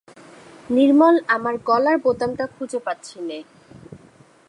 নির্মল, আমার গলার বোতামটা খুঁজে পাচ্ছি নে।